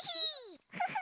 フフ。